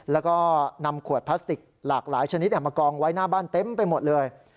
แล้วก็นำขวดพลาสติกหลากหลายชนิดมากองไว้หน้าบ้านเต็มไปหมดเลย